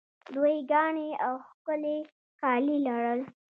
دوی ګاڼې او ښکلي کالي لرل